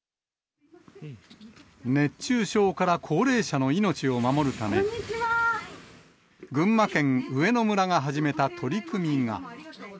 熱中症から高齢者の命を守るため、群馬県上野村が始めた取り組みが。